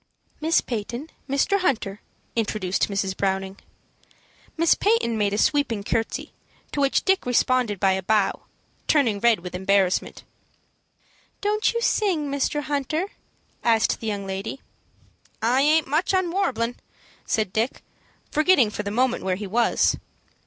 "Miss Peyton, Mr. Hunter," introduced Mrs. Browning. Miss Peyton made a sweeping courtesy, to which Dick responded by a bow, turning red with embarrassment. "Don't you sing, Mr. Hunter?" asked the young lady. "I aint much on warblin'," said Dick, forgetting for the moment where he was.